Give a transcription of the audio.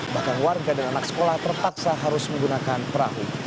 bahkan warga dan anak sekolah terpaksa harus menggunakan perahu